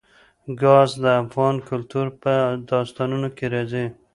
ګاز د افغان کلتور په داستانونو کې راځي.